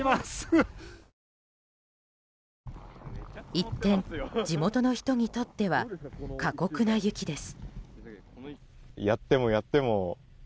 一転、地元の人にとっては過酷な雪です。